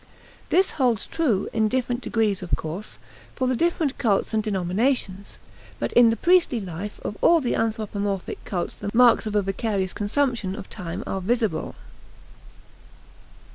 This holds true, in different degrees of course, for the different cults and denominations; but in the priestly life of all anthropomorphic cults the marks of a vicarious consumption of time are visible.